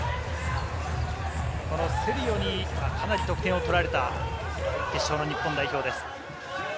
セリオにかなり得点を取られた決勝の日本代表です。